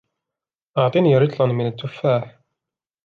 أعطني رطلا من التفاح.